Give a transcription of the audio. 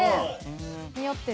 似合ってる。